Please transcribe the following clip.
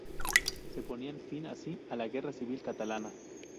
Se ponía fin así a la guerra civil catalana.